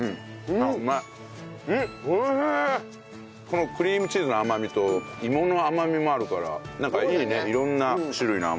このクリームチーズの甘みと芋の甘みもあるからなんかいいね色んな種類の甘みがあって。